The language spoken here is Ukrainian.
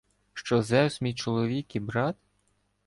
Що Зевс мій чоловік і брат?